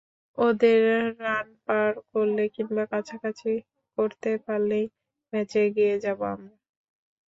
ওদের রান পার করলে কিংবা কাছাকাছি করতে পারলেই ম্যাচে এগিয়ে যাব আমরা।